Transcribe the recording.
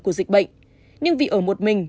của dịch bệnh nhưng vì ở một mình